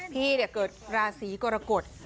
พี่เดี๋ยวเกิดราศีกรกฎ